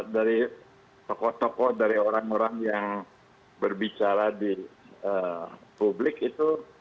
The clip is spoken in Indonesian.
dari tokoh tokoh dari orang orang yang berbicara di publik itu